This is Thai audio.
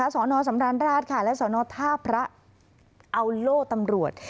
สนสำราญราชค่ะและสนท่าพระเอาโล่ตำรวจ